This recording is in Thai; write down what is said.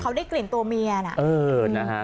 เขาได้กลิ่นตัวเมียนะ